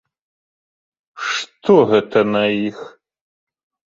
Што гэта на іх?